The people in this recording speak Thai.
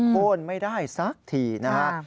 โครนไม่ได้ซักทีนะครับ